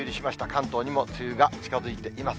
関東にも梅雨が近づいています。